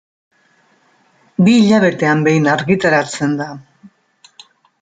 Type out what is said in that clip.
Bi hilabetean behin argitaratzen da.